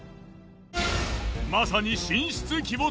まさに神出鬼没！